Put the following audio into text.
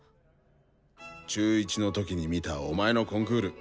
中１の時に見たお前のコンクール。